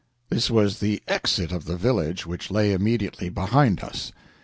This was the exit of the village, which lay immediately behind us.